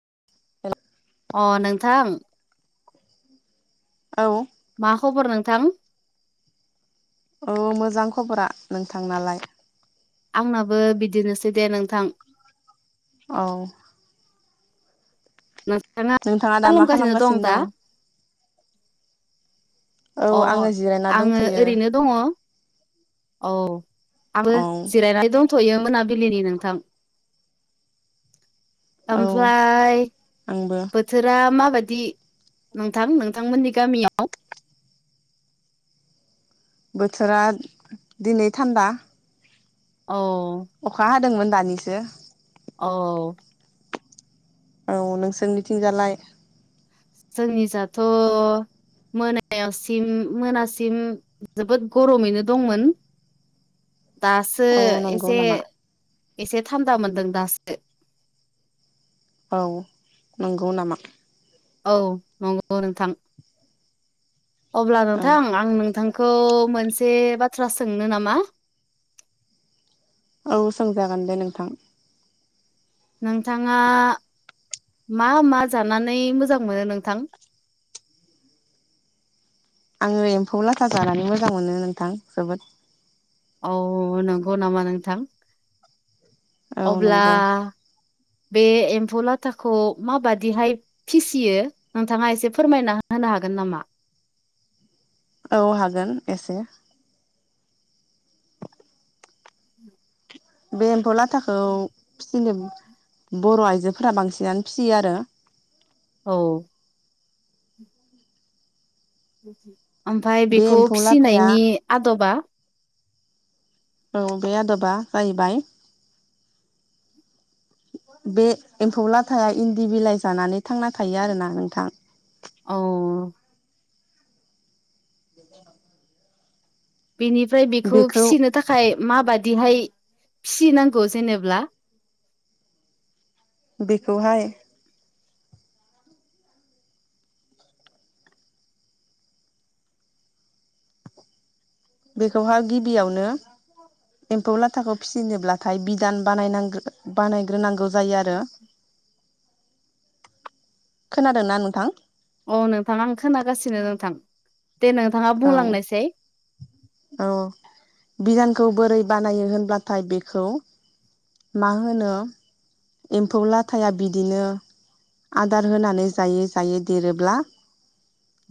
[unintelligible] [inaudible] अ नोंथां। औ। मा खबर नोंथां? औ मोजां खबरा। नोंथांनालाय? आंनाबो बिदिनोसै दे नोंथां। औ। नोंथाङा मा नोंथाङा दा मा खालामगासिनो दा दं? औ आङो अ' जिरायना आङो दंथ'यो ओरैनो दङ। औ आबो औ जिरायनानै दंथ'यो‌ मोनाबिलिनि नोंथां। औ ओमफ्राय आंबो बोथोरा माबा दि नोंथां नोंथांमोननि गामियाव? बोथोरा दिनै थान्दा। अ'। अ'खा हादोंमोन दानिसो। अ'। औ नोंसोरनि थिंजालाय? जोंनि जाथ' मोनायावसिम मोनासिम जोबोद गरमैनो दंमोन। दासो औ नंगौ एसे नामा एसे थान दा मोन्दों दासो। औ। नंगौ नामा? औ नंगौ नोंथां। अब्ला औ नोंथां आं नोंथांखौ मोन से बाथ्रा सोंनो नामा? औ सोंजागोन दे नोंथां। नोंथाङा मा मा जानानै मोजां मोनो नोंथां? आङो एम्फौ लाथा जानानै मोजां मोनो नोंथां जोबोद। अ' नोंगौ नामा नोंथां? औ अब्ला नंगौ बे एम्फौ लाथाखौ माबादिहाय फिसियो नोंथाङा एसे फोरमायना होनो हागोन नामा? औ हागोन एसे। बे एम्फौ लाथाखौ फिनो बर' आइजोफोरा बांसिनानो फियो आरो। औ। ओमफाय बे बेखौ एम्फौ लाथाया फिसिनायनि आद'बा? औ बे आद'बा जाहैबाय [inaudible] बे एम्फौ लाथाया इन्दि बिलाइ जानानै थांना थायो आरोना नोंथां। औ। बेनिफ्राय बेखौ फिसिनो थाखाय माबा दिहाय फिसिनांगौ जेनेब्ला? बेखौहाय बेखौहाय गिबियावनो एम्फौ लाथाखौ फिनोब्लाथाय बिदान बानायनांगो बानायग्रोनांगौ जायो आरो। खोनादों ना नोंथां? औ नोंथां आं खोनागासिनो नोंथां। दे नोंथाङा औ बुंलांनायसाय। खौ बोरै बानायो होनब्लाथाय बेखौ मा होनो एम्फौ लाथाया बिदिनो आदार होनानै जायै जायै देरोब्ला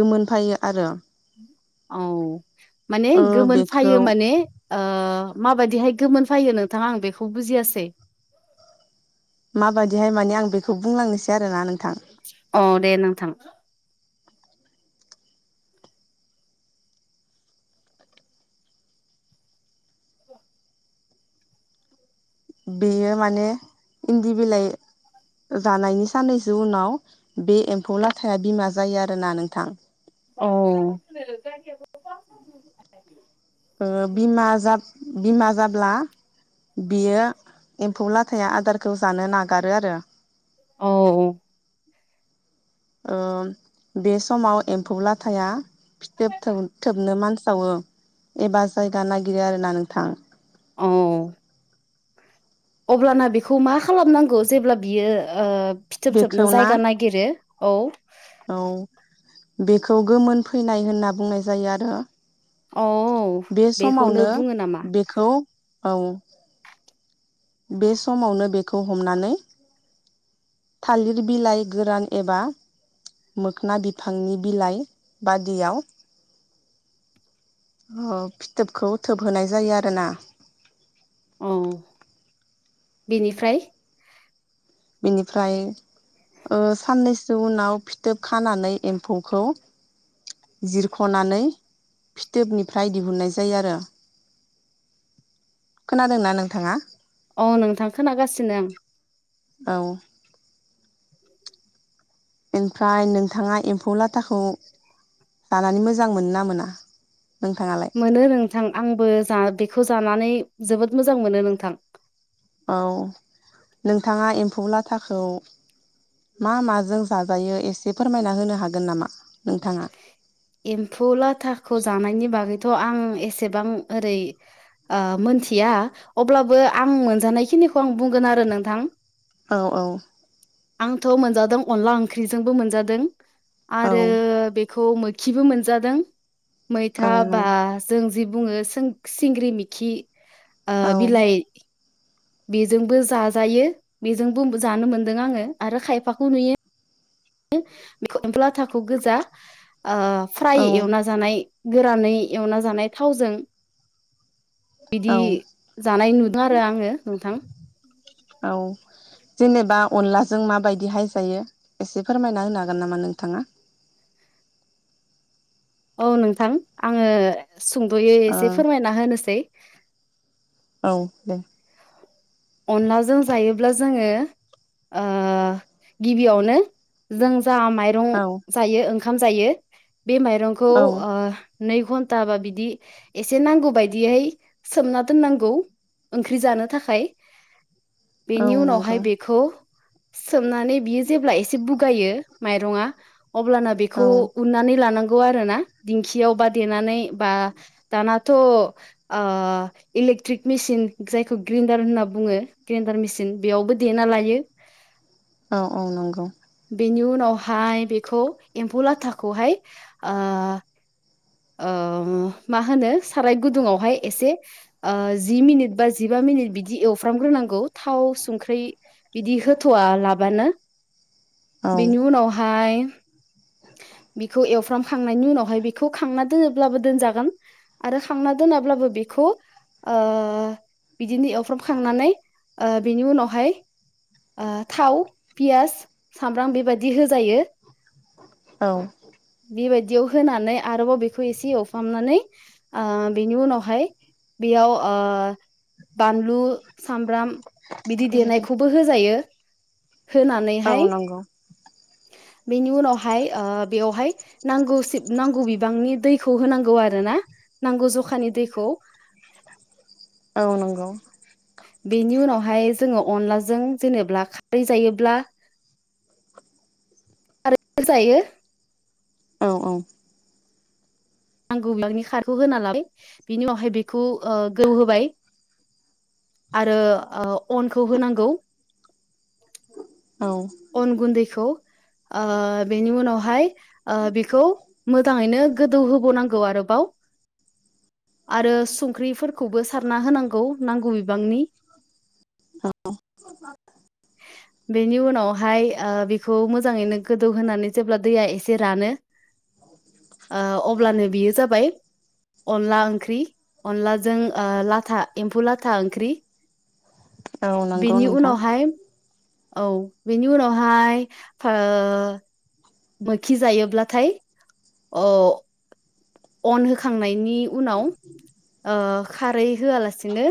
गोमोनफायो आरो। औ माने ओ गोमोन बेखौ सायो माने ओ माबायदिहाय गोमोन फैयो नोंथाङा आं बेखौ बुजियासै? माबायदिहाय माने आं बेखौ बुंलांनोसै आरोना नोंथां। औ दे नोंथां। बेयो माने इन्दि बिलाइ जानायनि साननैसो उनाव बे एम्फौ लाथाया बिमा जायो आरोना नोंथां। अह ओ बिमा बिमा जाब्ला बियो एम्फौ लाथाया आदारखौ जानो नागारो आरो। औ। ओ बे समाव एम्फौ लाथाया फिथोब थोबनो मानसावो एबा जायगा नागिरो आरोना नोंथां। औ। अब्लाना बेखौ मा खालामनांगौ जेब्ला बियो ओ फिथोब बेखौ थोबनो ना जायगा नागिरो? औ। औ बेखौ गोमोन फैनाय होनना बुंनाय जायो आरो। औ बे बेखौनो समावनो बुङो नामा बेखौ औ बे समावनो बेखौ हमनानै थालिर बिलाइ गोरान एबा मोखना बिफांनि बिलाइ बादियाव अ फिथोबखौ थोब होनाय जायो आरोना। औ बेनिफ्राय बिनिफ्राय ओ साननैसो उनाव फिथोब खानानै एम्फौखौ जिरख'नानै फिथोबनिफ्राय दिहुननाय जायो आरो। खोनादोंना नोंथाङा? औ नोंथां खोनागासिनो आं। औ। ओमफ्राय नोंथाङा एम्फौ लाथाखौ जानानै मोजां मोनो ना मोना? नोंथाङालाय मोनो नोंथां आंबो जा बेखौ जानानै जोबोद मोजां मोनो नोंथां। औ नोंथाङा एम्फौ लाथा खौ मा माजों जाजायो एसे फोरमायना होनो हागोन नामा? नोंथाङा? एम्फौ लाथाखौ जानायनि बागै थ' आं एसेबां ओरै मोनथिया अब्लाबो आं मोनजानायखिनि नि खौ आं बुंगोन आरो नोंथां। औ औ। आंथ' मोनजादों अनला ओंख्रिजोंबो मोनजादों औ आरो खौ मोखिबो मोनादों औ मैथा नों बा जों जि बुङो सिंग्रि मिखि औ बिलाइ बेजोंबो जाजायो बेजोंबो जानो मोनदों आङो आरो खायफाखौ नुयो। बेखौ एम्फौ लाथाखौ गोजा ओ फ्राय औ एवना जानाय गोरानै एवना जानाय थावजों बिदि औ जानाय नुदों आरो आङो नोंथां। औ। जेनेबा अनलाजों माबायदि हाय जायो एसे फोरमायना होनो हागोन नामा नोंथाङा? [inaudible] औ नोंथां आङो सुंद'यै ओ एसे फोरमायना होनोसै। औ दे। अनलाजों जायोब्ला जोङो ओ गिबियावनो जों जा माइरं औ जायो ओंखाम जायो बे माइरंखौ औ ओ नै घन्टाबा बिदि एसे नांगौ बायदिहै सोमना दोननांगौ ओंख्रि जानो थाखाय औ बेनि उनावहाय नंगौ बेखौ सोमनानै बियो जेब्ला एसे बुगायो माइरंआअब्लाना बेखौ औ उन्नानै लानांगौ खौ आरोना दिंखियाव बा देनानै बा दानाथ' इलेथ्रिक मेसिन जायखौ ग्रेन्डार होनना बुङो ग्रेन्डार मेसिन बेयावबो देना लायो। औ औ नंगौ। बेनि उनावहाय बेखौ एम्फौ लाथाखौहाय ओ मा होनो साराय गुदुङावहाय एसे जि मिनिट बा जिा जिबा मिनिट बिदि एवफ्रामग्रोनांगौ थाव संख्र्रि बिदि होथ'वा लाबानो औ बेनि उनावहाय बेखौ एव फ्राम खांनायनि उनावहाय बेखौ खांना दोनोब्लाबो दोनजागोन आरो खांना दोनाब्लाबो बेखौ ओ बिदिनो एवफ्रामखांनानै बिनि उनावहाय थाव पियास सामब्राम बेबायदि होजायो। औ बेबायदियाव होनानै आरोबाव बेखौ एसे एवफ्रामनानै ओ बेनि उनावहाय बेयाव ओ बानलु सामब्राम बिदि देनायखौबो होजायो औ होनानैहाय नंगौ बेनि उनाव हायो ओ बेयावहाय नांगौसि नांगौ बिबांनि दैखौ होनांगौ आरोना नांगौ जा जखानि दैखौ औ नोंगौ। बेनि उनावहाय जोङो अनलाजों जेनेब्ला खारै जायोब्ला होजायो। औ औ नांगौब्ला बिनि खारखौ होना लाबाय बिनि उनावहाय बेखौ ओ गोदौ होबाय आरो अनखौ होनांगौ। औ अनगुन्दैखौ ओ बेनि उनावहाय ओ बेखौ मोजाङैनो गोदौहोब बाव नांगौ आरोबाव आरो संख्रिफोरखौबो सारना होनांगौ नांगौ बिबांनि [inaudible] बेनि उनावहाय बेखौ मोजाङैनो गोदौहोनानै जेब्ला दैया एसे रानो अब्लानो बियो जाबाय अनला ओंख्रि अनलाजों ओ लाथा एम्फौ लाथा ओंख्रि। औ नंगौ बेनि नोंथां उनावहाय औ बेनि उनावहाय फो मोखि जायोब्लाथाय अ अन होखांनायनि उनाव ओ खारै होआलासिनो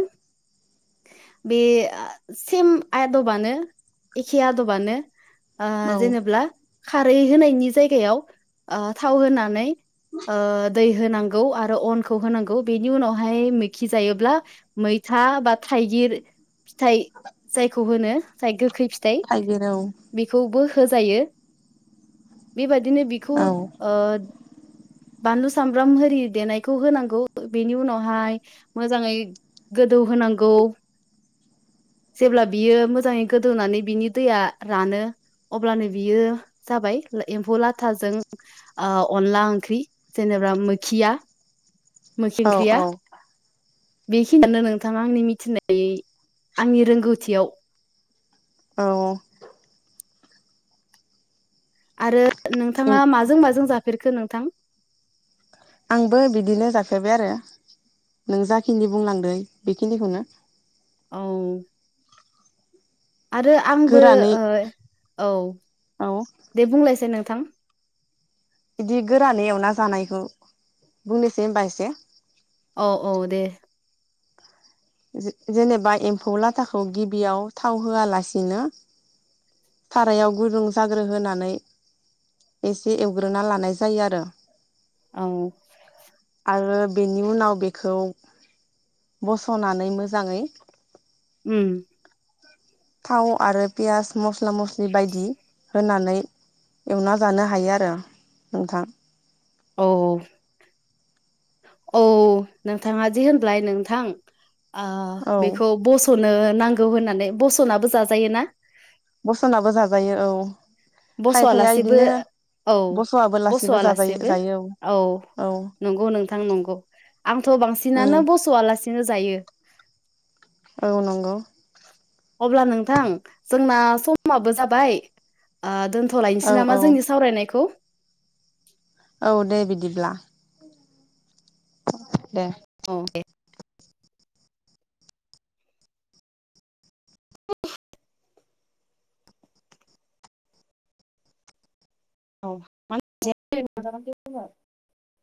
बे सेम आदबानो एखे आदबानो औ जेनेब्ला खारै होनायनि जायगायाव थाव होनानै दै होनांगौ आरो अनखौ होनांगौ बेनि उनावहाय मैखि जायोब्ला मै था बा थाइगिर फिथाइ जायखौ होनो जाय गो गोखै फिथाइ थाइगिर औ बेखौबो होजायो। बेबायदिनो बिखौ औ ओ बानलु सामब्राम आरि देनायखौ होनांगौ बेनि उनावहाय मोजाङै गो दौ होनांगौ जेब्ला बियो मोजाङै गोदौनानै बिनि दैया रानो अब्लानो बियो जाबाय एम्फौ लाथाजों ओ अनला ओंख्रि जेने बा मोखिया मोखि औ ओंख्रिया बेखिनियानो नोंथाङा आंनि मिथिनाय आंनि रोंगौथियाव। औ आरो औ नोंथाङा माजों माजों जाफेरखो नोंथां आंबो बिदिनो जफेरबाय आरो नों जाखिनि बुंलांदों बेखिनिखौनो। औ आरो आंबो गोरानै ओ औ औ दे बुंलायसै नोंथां बिदि गोरानै एवना जानायखौ बुंनोसै होनबा एसे औ औ दे जे-जेनेबा एम्फौ लाथाखौ गिबियाव थाव होआलासिनो सारायाव गुदुं जाग्रो होनानै एसे एवग्रोना लानाय जायो आरो औ आरो बेनि उनाव बेखौ बस'नानै मोजाङै ओम थाव आरो पियास मस्ला-मस्लि बायदि होनानै एवना जानो हायो आरो नोंथां औ औ नोंथाङा जे होनब्लाय नोंथां ओ औ बेखौ बस'नो नांगौ होननानै बस'नाबो जाजायो ना? बसोनाबो जाजायो औ खायफाया बस'आलासेबो बिदिनो औ बस'आ बेलासिबो जाजायो बस'आलासेबो जायो औ औ नंगौ नोंथां नंगौ आंथ' बांसिनानो उम बस'आलासिनो जायो औ नोंगौ अब्ला नोंथां जोंना समाबो जाबाय ओ दोन औ थ'लायनोसै औ नामा जोंनि सावरायनायखौ औ दे बिदिब्ला दे ओ दे [inaudible] औ मा